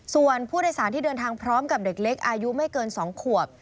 ส่วนผู้โดยสารที่เดินทางพร้อมกับเด็กเล็กอายุไม่เกิน๒ขวบ